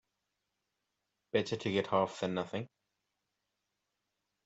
Better to get half than nothing.